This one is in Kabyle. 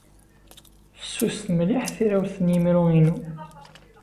Fessuset mliḥ tirawt s yemru-inu.